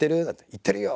「いってるよ」